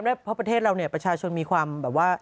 เพราะประเทศเราเนี่ยประชาชนมีความแบบว่า